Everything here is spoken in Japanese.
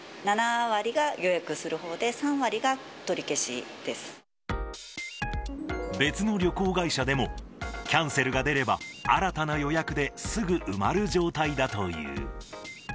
７割が予約する方で、３割が取り別の旅行会社でも、キャンセルが出れば、新たな予約ですぐ埋まる状態だという。